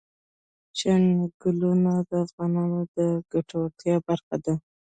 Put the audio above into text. چنګلونه د افغانانو د ګټورتیا برخه ده.